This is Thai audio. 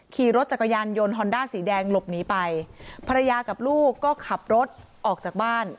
ขี่รถจักรยานยนต์ฮอนด้าสีแดงหลบหนีไปภรรยากับลูกก็ขับรถออกจากบ้าน